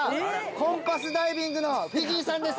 コンパスダイビングのフィジーさんです。